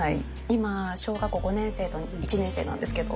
今小学校５年生と１年生なんですけど。